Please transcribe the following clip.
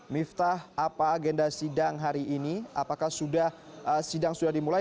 miftah apa agenda sidang hari ini apakah sidang sudah dimulai